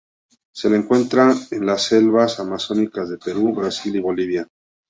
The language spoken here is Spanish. Se le encuentra en las selvas amazónicas de Perú, Brasil y Bolivia.